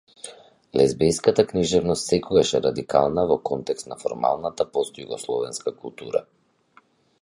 Лезбејската книжевност секогаш е радикална во контекст на формалната постјугословенска култура.